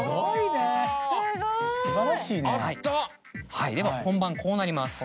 はいでは本番こうなります。